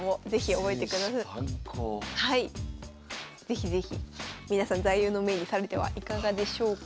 是非是非皆さん座右の銘にされてはいかがでしょうか？